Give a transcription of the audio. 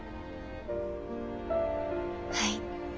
はい。